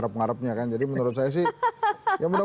terus tinggal berdiberikan akan pengembangnya yang haben